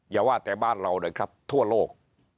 อย่าว่าแต่บ้านเราเลยครับทั่วโลก